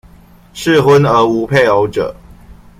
適婚而無配偶者